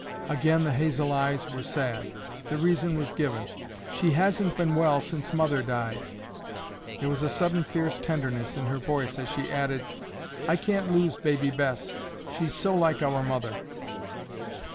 Again the hazel eyes were sad. The reason was given. "She hasn't been well since Mother died." There was a sudden fierce tenderness in her voice as she added, "I can't lose Baby Bess. She's so like our mother."